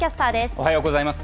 おはようございます。